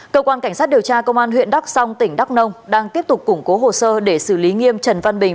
cơ quan cảnh sát điều tra công an huyện đắk song tỉnh đắk nông đang tiếp tục củng cố hồ sơ để xử lý nghiêm trần văn bình